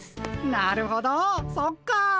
なるほどそっか。